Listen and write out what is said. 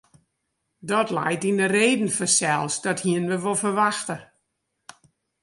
Dat leit yn de reden fansels, dat hienen we wol ferwachte.